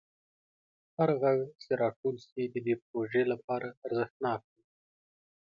هر غږ چې راټول شي د دې پروژې لپاره ارزښتناک دی.